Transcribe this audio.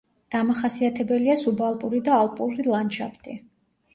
დამახასიათებელია სუბალპური და ალპური ლანდშაფტი.